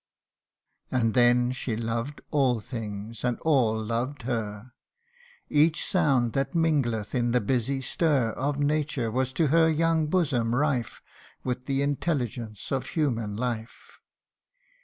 " And then she loved all things, and all loved her. Each sound that mingleth in the busy stir Of nature, was to her young bosom rife With the intelligence of human life.